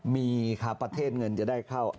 มีครับประเทศเงินจะได้เข้า